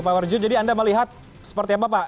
pak warji jadi anda melihat seperti apa pak